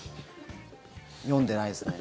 読んでないですね。